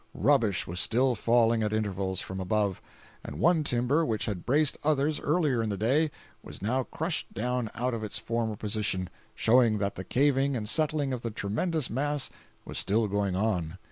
Rubbish was still falling at intervals from above, and one timber which had braced others earlier in the day, was now crushed down out of its former position, showing that the caving and settling of the tremendous mass was still going on.